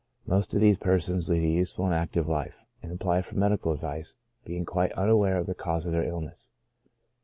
Most of these persons lead a useful and active life, and apply for medical advice, being quite unaware of the cause of their illness.